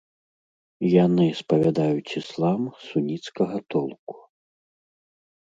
Яны спавядаюць іслам суніцкага толку.